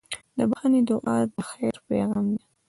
د بښنې دعا د خیر پیغام دی.